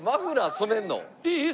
いい？